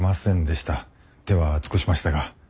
手は尽くしましたが。